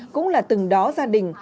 cũng là từng đó gia đình